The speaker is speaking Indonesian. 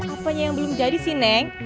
apanya yang belum jadi sih neng